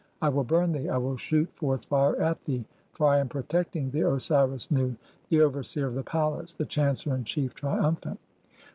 I will burn thee, I will shoot "forth [fire] (50) at thee, for I am protecting the Osiris Nu, "the overseer of the palace, the chancellor in chief, triumphant."